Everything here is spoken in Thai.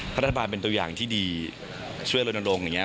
เพราะรัฐบาลเป็นตัวอย่างที่ดีช่วยเราลดล้าลงอย่างนี้